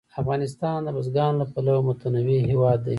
افغانستان د بزګانو له پلوه متنوع هېواد دی.